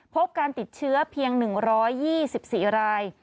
พบการติดเชื้อเพียง๑๒๔ราย